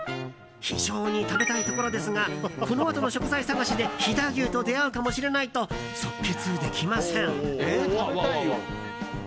非常に食べたいところですがこのあとの食材探しで飛騨牛と出会うかもしれないと即決できません。